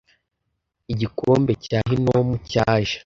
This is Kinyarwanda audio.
Igikombe cya Hinomu cyaje